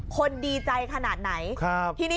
คนดีใจขนาดไหน